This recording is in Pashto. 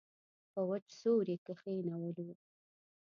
په وچ زور یې کښېنولو.